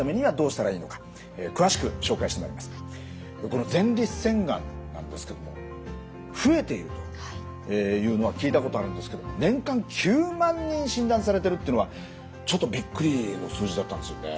この前立腺がんなんですけれども増えているというのは聞いたことあるんですけど年間９万人診断されてるっていうのはちょっとびっくりの数字だったんですよね。